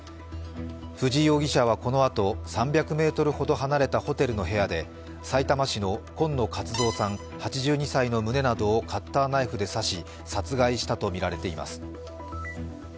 藤井容疑者はこのあと、３００ｍほど離れたホテルの部屋でさいたま市の今野勝蔵さん８２歳の胸などをカッターナイフで刺し殺害したとみられています。